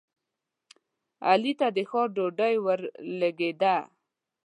علي ته د ښار ډوډۍ ورلګېده.